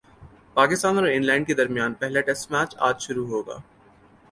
پاکستان اور انگلینڈ کے درمیان پہلا ٹیسٹ اج شروع ہوگا